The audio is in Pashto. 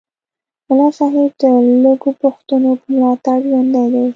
ملا صاحب د لږو پښتنو په ملاتړ ژوندی دی